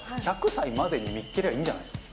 １００歳までに見つければいいじゃないですか。